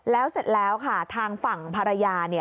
แล้วเสร็จแล้วค่ะทางฝั่งภรรยา